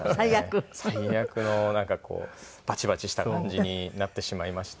最悪のなんかこうバチバチした感じになってしまいまして。